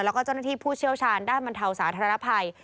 แล้วก็เจ้าหน้าที่ผู้เชี่ยวชาญด้านบรรเทาสาธารณภัย